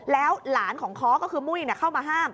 แล้วหลานของค้อก็คือมุ้ยเข้ามาห้าม